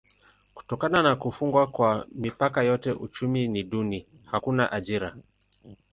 Kutokana na kufungwa kwa mipaka yote uchumi ni duni: hakuna ajira.